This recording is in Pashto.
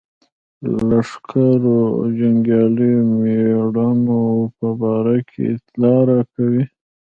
لښکرو او جنګیالیو مېړنو په باره کې اطلاع راکوي.